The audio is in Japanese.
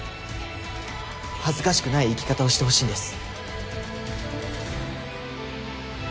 恥ずかしくない生き方をしてほしいんです。